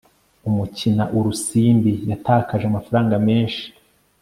umukina urusimbi yatakaje amafaranga menshi